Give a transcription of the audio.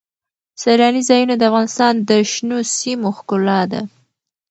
سیلاني ځایونه د افغانستان د شنو سیمو ښکلا ده.